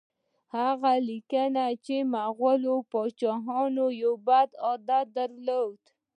هغه لیکي چې د مغولو پاچاهانو یو بد عادت درلود.